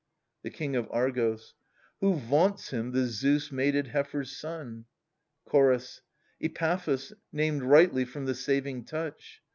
The King of Argos. * Who vaunts him the Zeus mated heifer's son ? Chorus. Epaphus, named rightly from the saving touch.